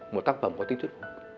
một tác phẩm có tích thức